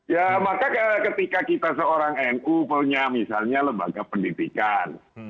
ya maka ketika kita seorang nu punya misalnya lembaga pendidikan